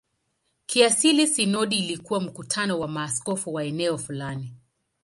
Kiasili sinodi ilikuwa mkutano wa maaskofu wa eneo fulani.